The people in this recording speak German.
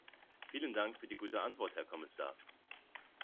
Vielen Dank für die gute Antwort, Herr Kommissar.